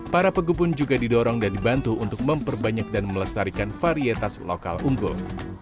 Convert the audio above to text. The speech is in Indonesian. para pegebun juga didorong dan dibantu untuk memperbanyak dan melestarikan varietas lokal unggul